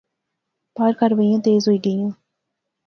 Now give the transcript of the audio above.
پار کاروائیاں تیز ہوئی گیئاں